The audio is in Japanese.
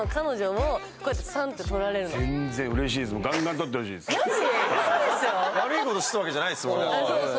ウソでしょ悪いことしてたわけじゃないですもんね